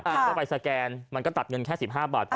เข้าไปสแกนมันก็ตัดเงินแค่๑๕บาท